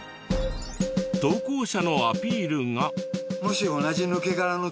投稿者のアピールが。